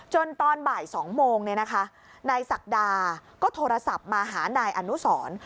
จนตอนบ่าย๒โมงเนี่ยนะคะนายศักดาก็โทรศัพท์มาหานายอนุสร